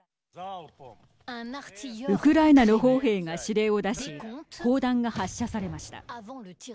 ウクライナの砲兵が指令を出し砲弾が発射されました。